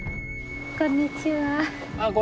ああこんにちは。